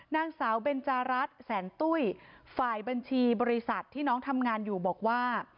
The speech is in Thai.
นางสาวเบนจารัฐแสนตุ้ยฝ่ายบัญชีบริษัทที่น้องทำงานอยู่บอกว่า